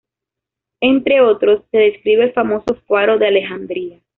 Entre otros, se describe el famoso Faro de Alejandría.